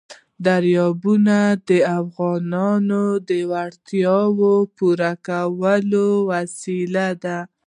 دریابونه د افغانانو د اړتیاوو د پوره کولو وسیله ده.